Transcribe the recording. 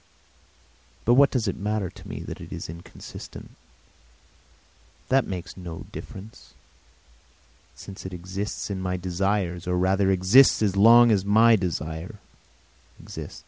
But what does it matter to me that it is inconsistent? That makes no difference since it exists in my desires, or rather exists as long as my desires exist.